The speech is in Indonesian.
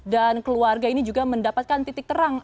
dan keluarga ini juga mendapatkan titik terang